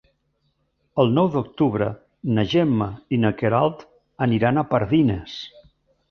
El nou d'octubre na Gemma i na Queralt aniran a Pardines.